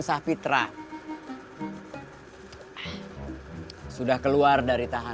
saya mauloop disebel